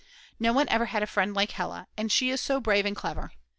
No one ever had a friend like Hella, and she is so brave and clever.